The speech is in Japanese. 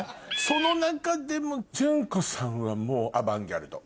その中でもジュンコさんはもうアバンギャルド。